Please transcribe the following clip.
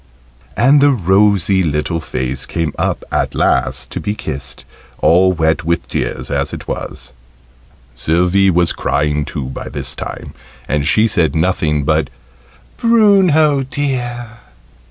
And the rosy little face came up at last to be kissed, all wet with tears as it was. Sylvie was crying too by this time, and she said nothing but "Bruno, dear!"